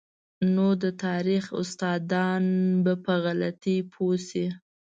نو د تاریخ استادان به په غلطۍ پوه شي.